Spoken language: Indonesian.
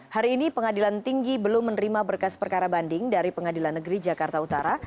hari ini pengadilan tinggi belum menerima berkas perkara banding dari pengadilan negeri jakarta utara